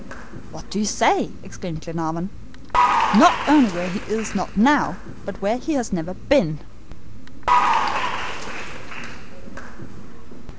"What do you say?" exclaimed Glenarvan. "Not only where he is not now, but where he has never been."